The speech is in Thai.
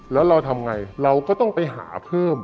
แล้วเราทำไงเราก็ต้องไปหาเพิ่ม